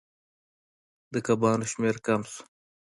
د کبانو شمیر کم شو.